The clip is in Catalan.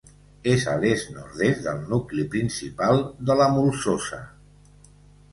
És a l'est-nord-est del nucli principal de la Molsosa.